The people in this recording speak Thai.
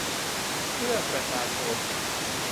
เพื่อประชาชน